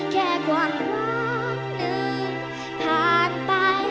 แค่ความร้องนึกผ่านไป